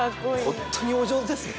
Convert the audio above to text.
ホントにお上手ですね。